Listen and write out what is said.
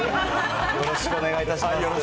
よろしくお願いします。